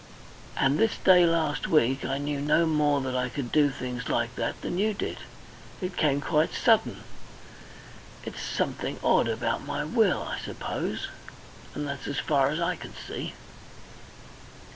"And this day last week I knew no more that I could do things like that than you did. It came quite sudden. It's something odd about my will, I suppose, and that's as far as I can see."